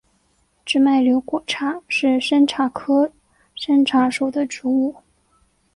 直脉瘤果茶是山茶科山茶属的植物。